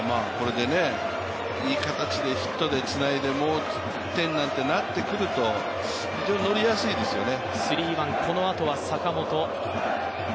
いい形でヒットでつないでもう１点なんていうことになってくると、非常にノリやすいですよね。